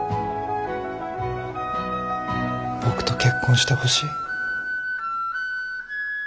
僕と結婚してほしい。